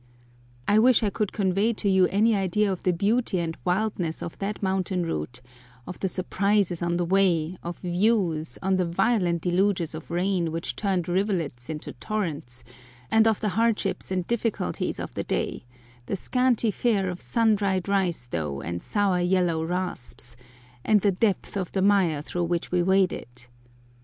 I wish I could convey to you any idea of the beauty and wildness of that mountain route, of the surprises on the way, of views, of the violent deluges of rain which turned rivulets into torrents, and of the hardships and difficulties of the day; the scanty fare of sun dried rice dough and sour yellow rasps, and the depth of the mire through which we waded!